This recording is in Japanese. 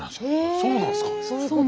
そうなんです。